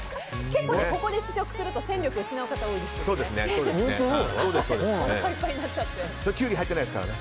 結構ここで試食をすると戦力を失う人が多いですね。